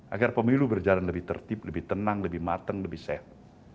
agar pemilu berjalan lebih tertib lebih tenang lebih mateng lebih sehat